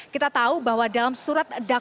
kita tahu bahwa dalam surat dakwaan andina rogo